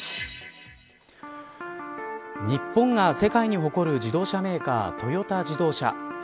日本が世界に誇る自動車メーカートヨタ自動車。